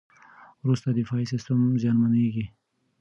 وروسته دفاعي سیستم زیانمنېږي.